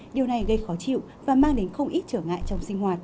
điều này gây khó chịu và mang đến không ít trở lại